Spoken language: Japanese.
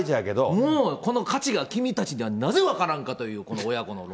もうこの価値が君たちにはなぜ分からんかという、親子の溝。